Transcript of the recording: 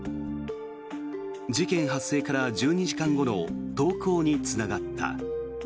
事件発生から１２時間後の投降につながった。